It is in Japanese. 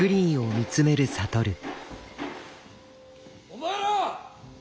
お前ら！